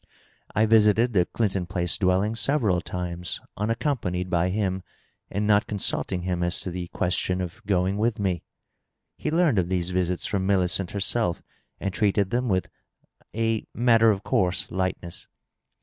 I visited the Clinton Place dwelling several times unaccompanied by him and not consulting him as to the ques tion of going with me. He learned of these visits from Millicent. herself, and treated them with a matter of course lightness.